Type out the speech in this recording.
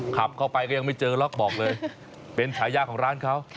ขับเข้าไปก็ยังไม่เจอล็อกบอกเลยเป็นฉายาของร้านเขา